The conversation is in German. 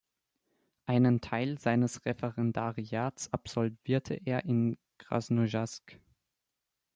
Einen Teil seines Referendariats absolvierte er in Krasnojarsk.